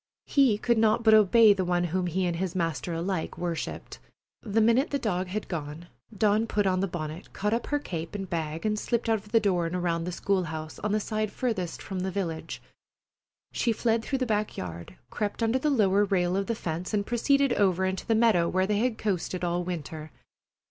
He could not but obey the one whom he and his master alike worshipped. The minute the dog had gone, Dawn put on her bonnet, caught up her cape and bag, and slipped out of the door and around the school house on the side farthest from the village. She fled through the back yard, crept under the lower rail of the fence, and proceeded over into the meadow where they had coasted all winter.